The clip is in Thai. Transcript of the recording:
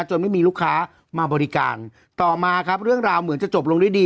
ไม่มีลูกค้ามาบริการต่อมาครับเรื่องราวเหมือนจะจบลงด้วยดี